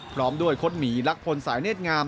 พร้อมด้วยคดหมีรักพลสายเนธงาม